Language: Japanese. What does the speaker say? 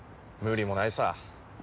無理もないさ。